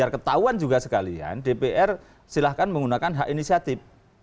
ketahuan juga sekalian dpr silahkan menggunakan hak inisiatif